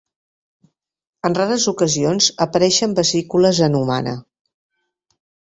En rares ocasions apareixen vesícules en humana.